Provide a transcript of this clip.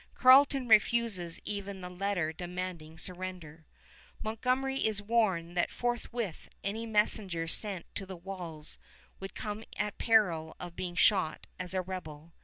Carleton refuses even the letter demanding surrender. Montgomery is warned that forthwith any messenger sent to the walls will come at peril of being shot as rebel.